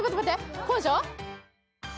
こうでしょ？